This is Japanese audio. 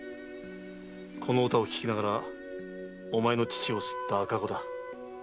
この歌を聞きながらおまえの乳を吸った赤子だ。